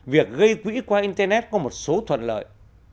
việc gây quỹ qua internet có một số thuận lợi